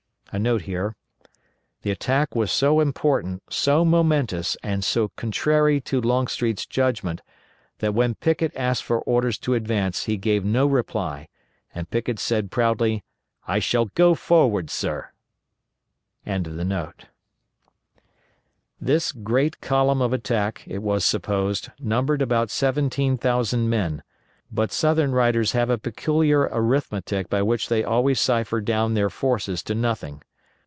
[* The attack was so important, so momentous, and so contrary to Longstreet's judgment, that when Pickett asked for orders to advance he gave no reply, and Pickett said proudly, "I shall go forward, sir!"] This great column of attack, it was supposed, numbered about seventeen thousand men, but southern writers have a peculiar arithmetic by which they always cipher down their forces to nothing.